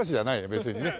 別にね。